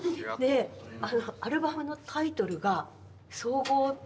アルバムのタイトルが「総合」って。